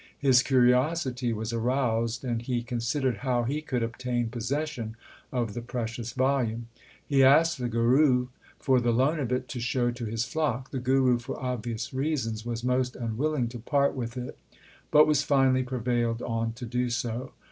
His curiosity was aroused, and he considered how he could obtain possession of the precious volume. He asked the Guru for the loan of it to show to his flock. The Guru, for obvious reasons, was most unwilling to part with it, but was finally prevailed on to do so.